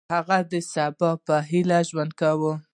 هغه د سبا په هیله ژوند کاوه.